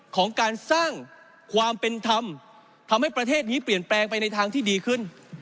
ของการสร้างความเป็นธรรมทำให้ประเทศนี้เปลี่ยนแปลงไปในทางที่ดีขึ้น